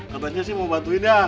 kabarnya sih mau bantuin ya